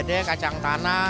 kedua harganya juga lumayan